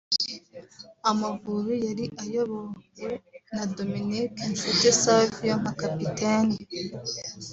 Amavubi yari ayobowe na Dominique Nshuti Savio nka kapiteni